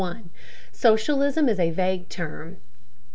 SOCIALISM IS A VAGUE TERM.